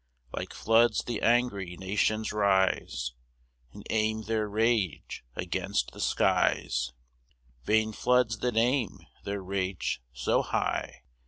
3 Like floods the angry nations rise And aim their rage against the skies; Vain floods that aim their rage so high!